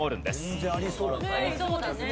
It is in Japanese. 全然ありそうだけどね。